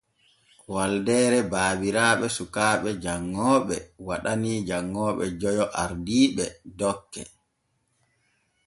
Waldeere baabiraaɓe sukaaɓe janŋooɓe waɗanii janŋooɓe joyo ardiiɓe dokke.